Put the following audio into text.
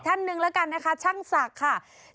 อีกท่านหนึ่งแล้วกันช่างศักดิ์ค่ะ